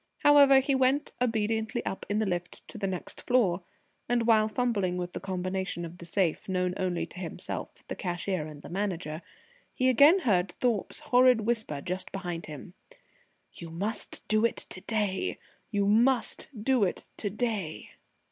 However, he went obediently up in the lift to the next floor, and while fumbling with the combination of the safe, known only to himself, the cashier, and the Manager, he again heard Thorpe's horrid whisper just behind him: "You must do it to day! You must do it to day!"